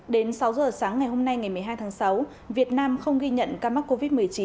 đến sáu giờ sáng ngày hôm nay ngày một mươi hai tháng sáu việt nam không ghi nhận ca mắc covid một mươi chín